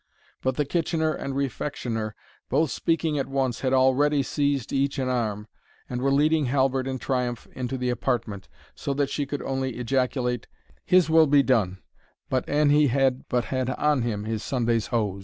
But the Kitchener and Refectioner, both speaking at once, had already seized each an arm, and were leading Halbert in triumph into the apartment, so that she could only ejaculate, "His will be done; but an he had but had on him his Sunday's hose!"